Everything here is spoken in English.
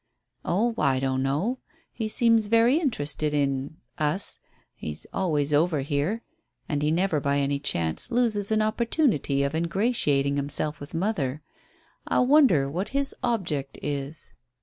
"Oh, I don't know. He seems very interested in us. He's always over here. And he never by any chance loses an opportunity of ingratiating himself with mother. I wonder what his object is?"